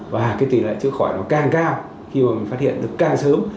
và cái tỷ lệ chữa khỏi nó càng cao khi mà mình phát hiện được càng sớm